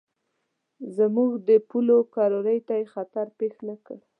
زموږ د پولو کرارۍ ته یې خطر پېښ نه کړ.